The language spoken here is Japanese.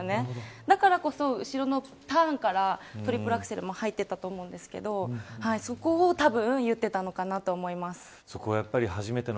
だからこそ、後ろのターンからトリプルアクセルも入っていたと思うんですけどそこをたぶんそこが初めての